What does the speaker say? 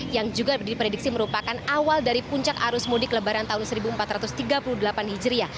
yang juga diprediksi merupakan awal dari puncak arus mudik lebaran tahun seribu empat ratus tiga puluh delapan hijriah